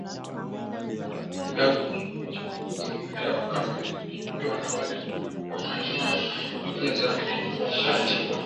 ya uchafuzi wa hewa kama ilivyoshuhudiwa awali hukoaina mpya za nishati